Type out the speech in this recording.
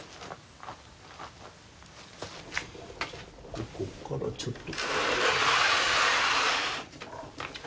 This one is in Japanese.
ここからちょっと。